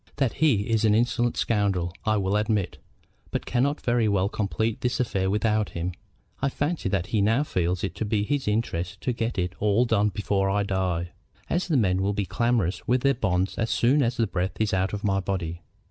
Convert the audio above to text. That he is an insolent scoundrel I will admit; but we cannot very well complete this affair without him. I fancy that he now feels it to be his interest to get it all done before I die, as the men will be clamorous with their bonds as soon as the breath is out of my body.